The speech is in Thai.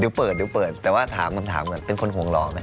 เดี๋ยวเปิดแต่ว่าถามคำถามกันเป็นคนห่วงหล่อไหม